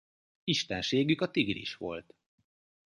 Istenségük a tigris volt.